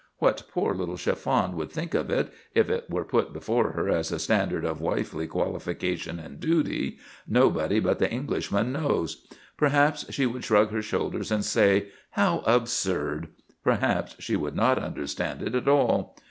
What poor little Chiffon would think of it, if it were put before her as a standard of wifely qualification and duty, nobody but the Englishman knows. Perhaps she would shrug her shoulders and say, "How absurd!" Perhaps she would not understand it at all.